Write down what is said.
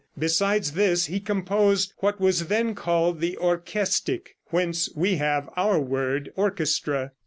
Besides this he composed what was then called the "Orchestic," whence we have our word orchestra.